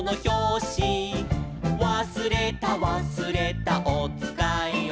「わすれたわすれたおつかいを」